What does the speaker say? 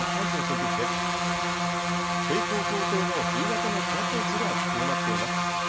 西高東低の冬型の気圧配置が強まっています。